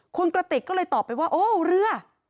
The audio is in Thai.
คุณกระติกก็เลยตอบไปว่าโอ้เรือ